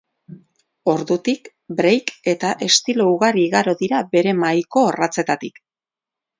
Ordutik, break eta estilo ugari igaro dira bere mahaiko orratzetatik.